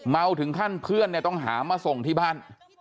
ถึงขั้นเพื่อนเนี่ยต้องหามาส่งที่บ้าน